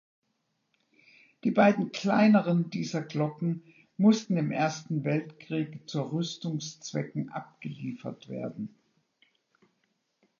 Die beiden kleineren dieser Glocken mussten im Ersten Weltkrieg zu Rüstungszwecken abgeliefert werden.